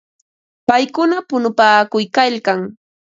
Paykuna punupaakuykalkan.